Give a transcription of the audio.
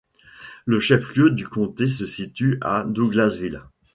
Le chef-lieu du comté se situe à Douglasville.